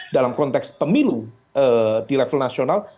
dalam konteks pemilu di level nasional